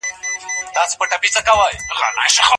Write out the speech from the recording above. دوی د آزادۍ په لاره کې سرونه قربان کړل.